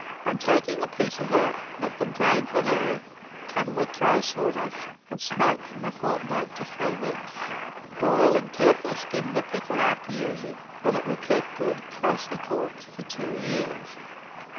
On taking the pieces out, let them drain for an hour, cover with dry sawdust, and smoke from a fortnight to 3 weeks. Boil and carefully skim the pickle after using, and it will keep good, closely corked, for 2 years.